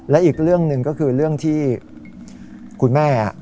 และอีกเรื่องหนึ่งก็คือเรื่องที่คุณแม่